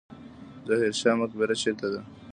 ظاهر شاه مقبره چیرته ده؟